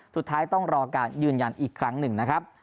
สุดท้ายต้องรอการยืนยันอีกครั้งหนึ่งนะครับ